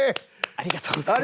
ありがとうございます。